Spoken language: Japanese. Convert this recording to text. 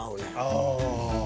ああ。